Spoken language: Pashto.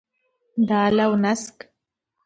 دال او نسک.